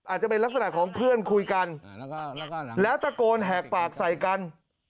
อาจจะเป็นลักษณะของเพื่อนคุยกันแล้วตะโกนแหกปากใส่กัน